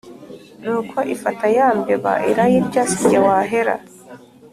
Nuko ifata yambeba irayirya singe wahera